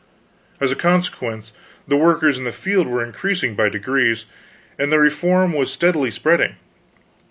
As a consequence the workers in the field were increasing by degrees, and the reform was steadily spreading.